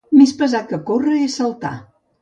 Més pesat que córrer és saltar.